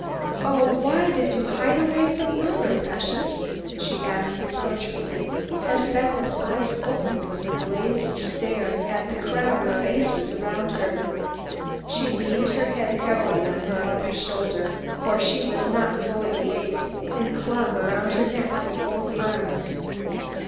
"Oh, why did you hide away from mother, precious?" she asked, reproachfully, as Bethel's eyes opened with a dazed stare at the crowd of faces around her. She leaned her head heavily on her mother's shoulder, for she was not fully awake, and clung around her neck with both arms.